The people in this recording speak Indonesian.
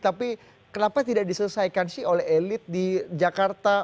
tapi kenapa tidak diselesaikan sih oleh elit di jakarta